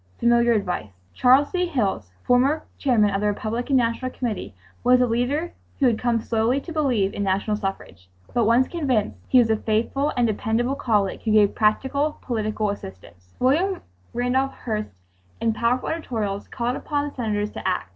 Familiar advice! Charles D. Hilles, former Chairman of the Republican National Committee, was a leader who had come slowly to believe in national suffrage. But, once convinced, he was a faithful and dependable colleague who gave practical political assistance. William Randolph Hearst in powerful editorials called upon the Senators to act.